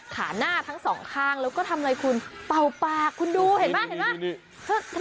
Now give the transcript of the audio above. ขาหน้าทั้งสองข้างแล้วก็ทำอะไรคุณเป่าปากคุณดูเห็นไหมเห็นไหม